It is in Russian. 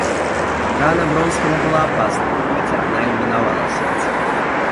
Рана Вронского была опасна, хотя она и миновала сердце.